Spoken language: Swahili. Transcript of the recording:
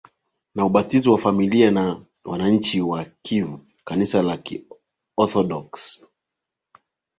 na ubatizo wa familia na wananchi wa Kiev Kanisa la Kiorthodoksi